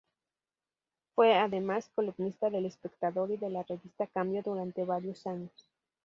Fue, además, columnista de El Espectador y de la revista Cambio durante varios años.